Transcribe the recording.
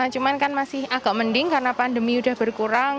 cuman kan masih agak mending karena pandemi udah berkurang